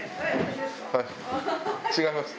違います？